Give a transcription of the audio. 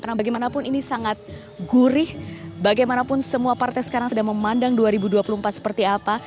karena bagaimanapun ini sangat gurih bagaimanapun semua partai sekarang sedang memandang dua ribu dua puluh empat seperti apa